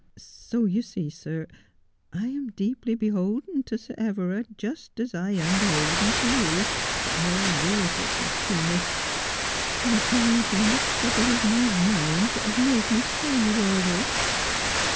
So you see, sir, I am deeply beholden to Sir Everard, just as I am beholden to you for all your goodness to me ; and it has only been the trouble of my mind that has made me tell you all this.'